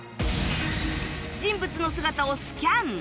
人物の姿をスキャン